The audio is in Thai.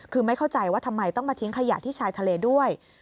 คือไม่เข้าใจว่าทำไมต้องมาทิ้งขยะที่ชายทะเลด้วย